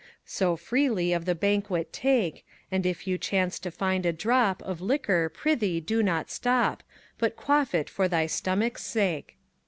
So freely of the banquet take, And if you chance to find a drop Of liquor, prithee do not stop But quaff it for thy stomach's sake.